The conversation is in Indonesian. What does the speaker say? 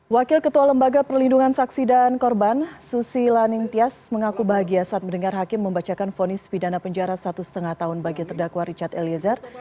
wakil ketua lembaga perlindungan saksi dan korban susi laning tias mengaku bahagia saat mendengar hakim membacakan fonis pidana penjara satu lima tahun bagi terdakwa richard eliezer